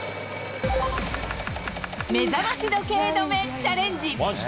目覚まし時計止めチャレンジ。